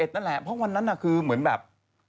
นั่นแหละเพราะวันนั้นคือเหมือนแบบ